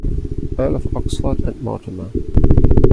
Earl of Oxford and Mortimer.